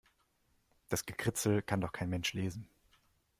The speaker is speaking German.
Das Gekritzel kann doch kein Mensch lesen.